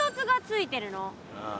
ああ。